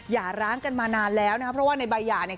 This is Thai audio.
อย่าร้างกันมานานแล้วนะครับเพราะว่าในใบหย่าเนี่ย